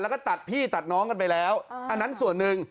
แล้วก็ตัดพี่ตัดน้องกันไปแล้วอันนั้นส่วนหนึ่ง